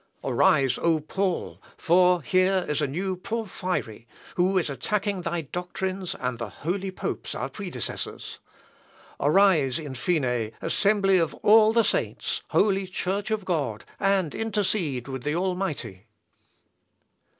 Arise, O Paul, for here is a new Porphyry, who is attacking thy doctrines and the holy popes our predecessors! Arise, in fine, assembly of all the saints, holy Church of God, and intercede with the Almighty!" L. Op.